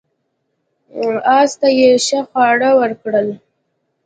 اس ته یې ښه خواړه ورکول.